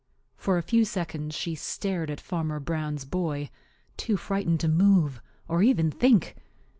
For a few seconds she stared at Farmer Brown's boy, too frightened to move or even think.